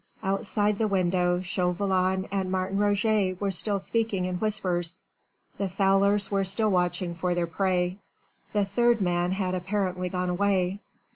Outside the window Chauvelin and Martin Roget were still speaking in whispers: the fowlers were still watching for their prey. The third man had apparently gone away.